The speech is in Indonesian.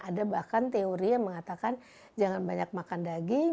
ada bahkan teori yang mengatakan jangan banyak makan daging